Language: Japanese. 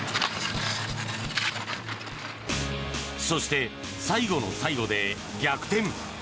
そして、最後の最後で逆転。